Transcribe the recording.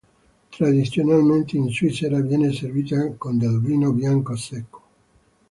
Tradizionalmente, in Svizzera viene servita con del vino bianco secco.